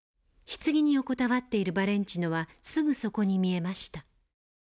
柩に横たわっているバレンチノはすぐそこに見えました。